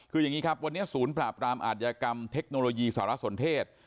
คืออย่างนี้ครับวันนี้ศูนย์ปราบรามอาทยากรรมเทคโนโลยีสารสนเทศ